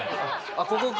あっここか。